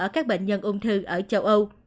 ở các bệnh nhân ung thư ở châu âu